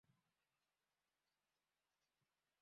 bado inahitajika elimu ya uraia